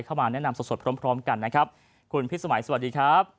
เข้ามาแนะนำสดสดพร้อมพร้อมกันนะครับคุณพิษสมัยสวัสดีครับ